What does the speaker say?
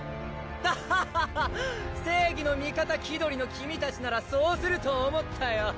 アハハハッ正義の味方気取りの君たちならそうすると思ったよ！